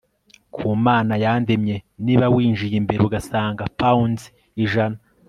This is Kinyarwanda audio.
ku mana yandemye; niba winjiye imbere ugasanga pound ijana